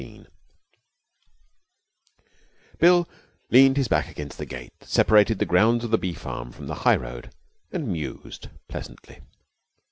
19 Bill leaned his back against the gate that separated the grounds of the bee farm from the high road and mused pleasantly.